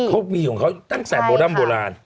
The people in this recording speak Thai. มันเป็นโภคมีของเขาตั้งแต่โบราณ